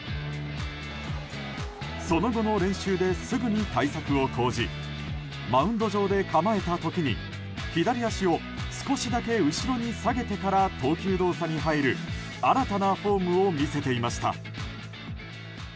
その後の練習ですぐに対策を講じマウンド上で構えた時に左足を少しだけ後ろに下げてから投球動作に入る新たなフォームを見せていました。